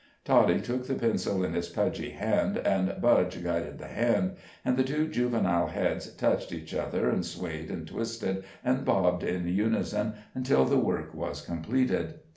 Toddie took the pencil in his pudgy hand, and Budge guided the hand; and two juvenile heads touched each other, and swayed, and twisted, and bobbed in unison until the work was completed.